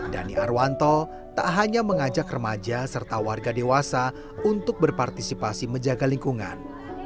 dhani arwanto tak hanya mengajak remaja serta warga dewasa untuk berpartisipasi menjaga lingkungan